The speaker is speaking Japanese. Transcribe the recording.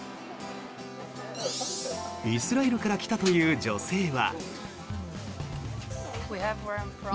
イスラエルから来たという女性は。